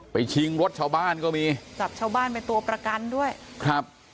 ชิงรถชาวบ้านก็มีจับชาวบ้านเป็นตัวประกันด้วยครับ